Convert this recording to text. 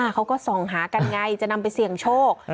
เขาก็ส่องหากันไงจะนำไปเสี่ยงโชค